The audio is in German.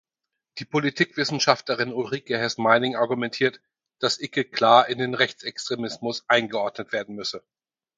Die Politikwissenschaftlerin Ulrike Heß-Meining argumentiert, dass Icke klar in den Rechtsextremismus eingeordnet werden müsse.